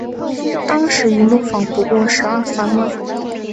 当时一栋房不过十二三万